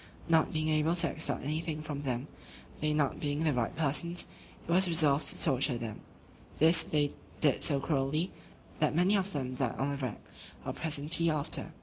Not being able to extort anything from them, they not being the right persons, it was resolved to torture them: this they did so cruelly, that many of them died on the rack, or presently after.